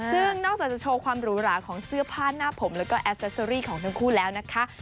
ซึ่งนอกจากจะโชว์ความหรูหราของเสื้อผ้าหน้าผมแล้วก็แอสเซสเตอรี่ของทั้งคู่แล้วนะคะ